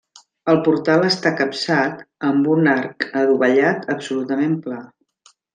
El portal està capçat amb un arc dovellat absolutament pla.